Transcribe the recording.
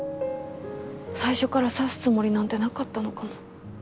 最初から刺すつもりなんてなかったのかも。